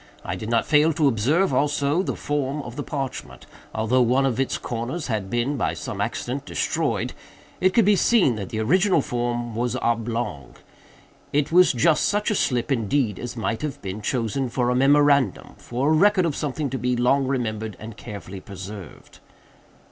I did not fail to observe, also, the form of the parchment. Although one of its corners had been, by some accident, destroyed, it could be seen that the original form was oblong. It was just such a slip, indeed, as might have been chosen for a memorandum—for a record of something to be long remembered and carefully preserved."